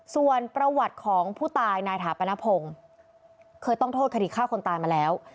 ส่วนประวัติของผู้ตายนายถาปนพงศ์เคยต้องโทษคดีฆ่าคนตายมาแล้ว